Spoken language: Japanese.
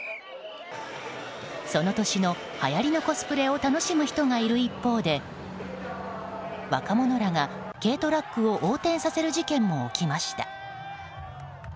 その年のはやりのコスプレを楽しむ人がいる一方で若者らが軽トラックを横転させる事件も起きました。